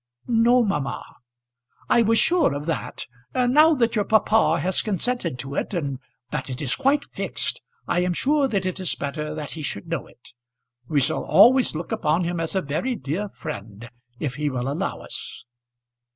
"No, mamma." "I was sure of that; and now that your papa has consented to it, and that it is quite fixed, I am sure that it is better that he should know it. We shall always look upon him as a very dear friend if he will allow us."